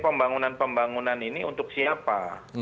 pembangunan pembangunan ini untuk siapa